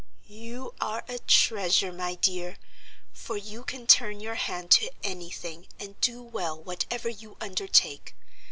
"You are a treasure, my dear, for you can turn your hand to any thing and do well whatever you undertake.